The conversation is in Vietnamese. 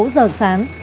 sáu giờ sáng